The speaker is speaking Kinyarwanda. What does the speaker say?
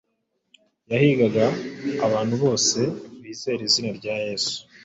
yahigaga abantu bose bizera izina rya Yesu.